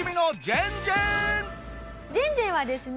ジェンジェンはですね